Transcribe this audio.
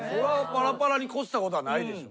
パラパラに越したことはないでしょ。